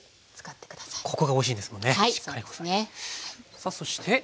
さあそして。